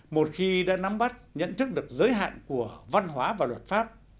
một khi đã nắm bắt nhận thức được giới hạn của văn hóa và luật pháp